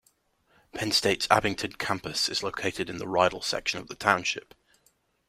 Penn State's Abington campus is located in the Rydal section of the township.